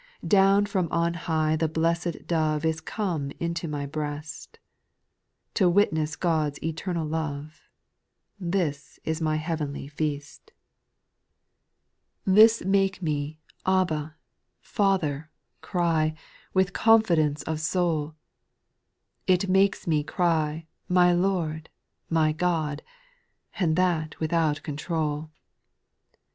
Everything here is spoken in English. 4. Down from on high the blessed Dove Is come into my breast, To witness God's eternal love ;— This is my heaveiil^ icTvsX.. 18* 210 SPIRITUAL SONQS, 6. This makes me, Abba, Father, cry, With confi.dence of soul ; It makes me cry, my Lord, my God, And that without control.